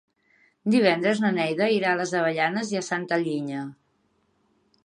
Divendres na Neida irà a les Avellanes i Santa Linya.